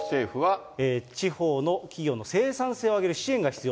地方の企業の生産性を上げる支援が必要。